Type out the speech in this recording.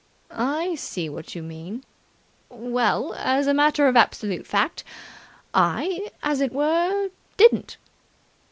"I see what you mean. Well, as a matter of absolute fact, I, as it were, didn't."